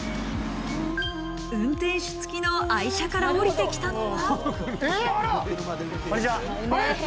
運転手つきの愛車から降りてきたのは。